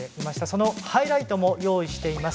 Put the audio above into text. そのハイライトも用意しています。